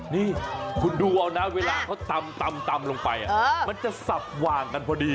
นี่คุณดูเอานะเวลาเขาตำลงไปมันจะสับหว่างกันพอดี